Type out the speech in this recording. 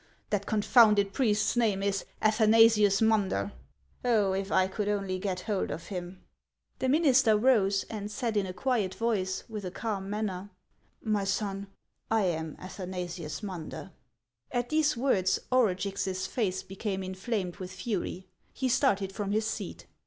That confounded priest's name is Athanasius Munder. Oh, if I could only get hold of him !" The minister rose, and said in a quiet voice, with a calm manner, "My son, I am Athanasius Munder." HAXS OF ICELAND. 157 At these words Orugix's face became inHamed with fury ; he started from his seat.